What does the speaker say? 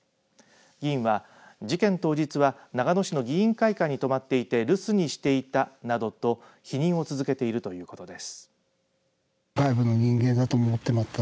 議員は事件当日は長野市の議員会館に泊まっていて留守にしていたなどと否認を続けているということです。